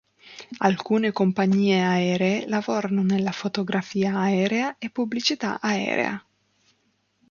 Alcune compagnie aeree lavorano nella fotografia aerea e pubblicità aerea.